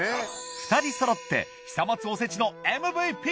２人そろって久松おせちのＭＶＰ！